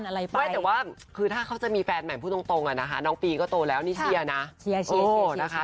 ไม่แต่ว่าคือถ้าเขาจะมีแฟนใหม่พูดตรงอ่ะนะคะน้องปีก็โตแล้วนี่เชียร์นะ